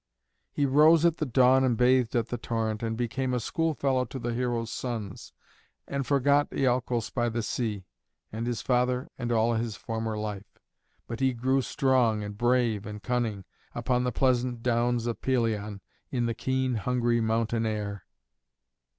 He rose at the dawn and bathed in the torrent, and became a schoolfellow to the heroes' sons, and forgot Iolcos by the sea, and his father and all his former life. But he grew strong and brave and cunning, upon the pleasant downs of Pelion, in the keen, hungry mountain air.